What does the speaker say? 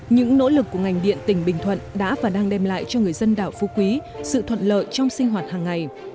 những nỗ lực của ngành điện tỉnh bình thuận đã và đang đem lại cho người dân đảo phú quý sự thuận lợi trong sinh hoạt hàng ngày